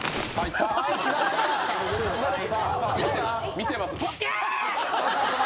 「見てます」